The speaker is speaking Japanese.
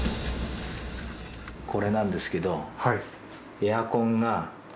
これなんですけど。